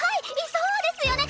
そうですよね！